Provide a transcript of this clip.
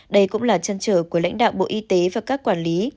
đây cũng là trăn trở của lãnh đạo bộ y tế và các quản lý